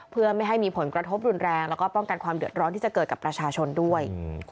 เพื่อไม่ให้มีผลกระทบรุนแรงแล้วก็ป้องกันความเดือดร้อนที่จะเกิดกับประชาชนด้วย